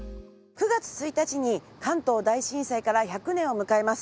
９月１日に関東大震災から１００年を迎えます。